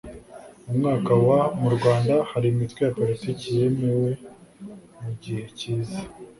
mu mwaka w mu Rwanda hari Imitwe ya Politiki yemewe mu gihe kiza